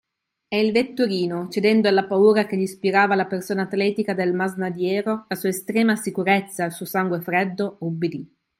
E il vetturino cedendo alla paura che gli ispirava la persona atletica del masnadiero, la sua estrema sicurezza, il suo sangue freddo, ubbidì.